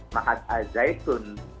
mahat al zaitun